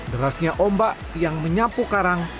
derasnya ombak yang menyapu karang